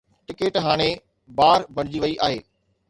Ticket هاڻي بار بڻجي وئي آهي.